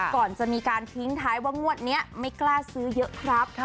ก่อนจะมีการทิ้งท้ายว่างวดนี้ไม่กล้าซื้อเยอะครับ